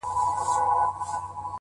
زه به د درد يوه بې درده فلسفه بيان کړم،